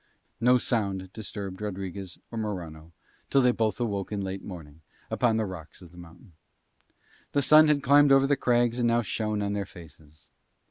No sound disturbed Rodriguez or Morano till both awoke in late morning upon the rocks of the mountain. The sun had climbed over the crags and now shone on their faces.